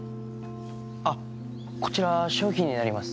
あっこちら商品になります。